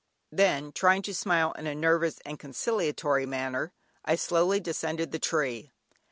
Then, trying to smile in a nervous and conciliatory manner, I slowly descended the tree.